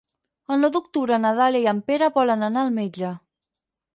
El nou d'octubre na Dàlia i en Pere volen anar al metge.